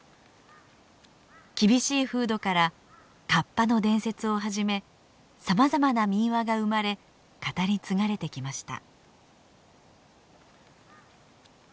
厳しい風土からカッパの伝説をはじめさまざまな民話が生まれ語り継がれてきました。